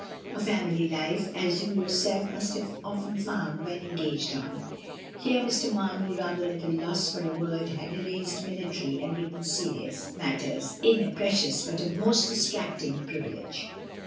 A family life, as you yourself must have often found when engaged on'* (here Mr. Mamey rather at a loss for a word had erased "military" and written "serious") "mat ters, is a precious but a most distracting privilege.